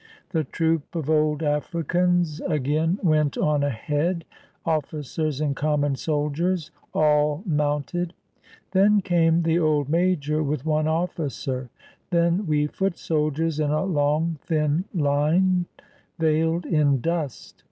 The troop of old Africans again went on ahead, ofl5 cers and common soldiers, all mounted. Then came the old major with one officer; then we foot soldiers in a long, thin Hne veiled in dust.